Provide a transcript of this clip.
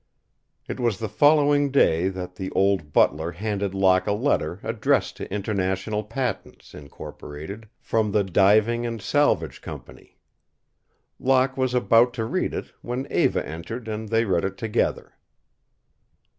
It was the following day that the old butler handed Locke a letter addressed to International Patents, Incorporated, from the Diving and Salvage Company. Locke was about to read it, when Eva entered and they read it together.